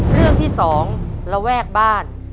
เรื่องที่๒ระแวกบ้าน